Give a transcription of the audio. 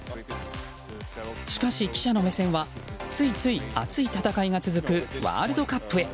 しかし、記者の目線はついつい熱い戦いが続くワールドカップへ。